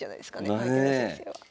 相手の先生は。